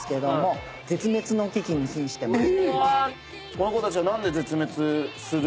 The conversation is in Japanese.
この子たちは。